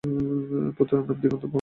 পুত্রের নাম দিগন্ত বর্মন।